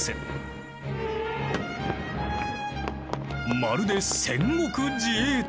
まるで戦国自衛隊！